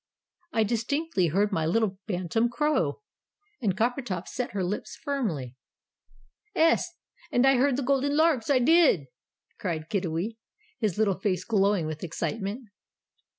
"I distinctly heard my little bantam crow!" and Coppertop set her lips firmly. "'Es, and I heard the Golden Larks I did!" cried Kiddiwee, his little face glowing with excitement.